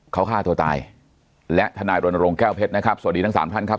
เขาฆ่าตัวตายและทนายรณรงค์แก้วเพชรนะครับสวัสดีทั้งสามท่านครับ